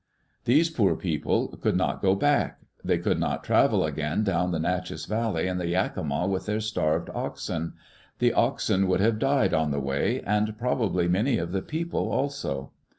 These poor people could not go back. They could not travel again down the Nachess Valley and the Yakima with their starved oxen. The oxen would have died on the way, and probably many of the people also.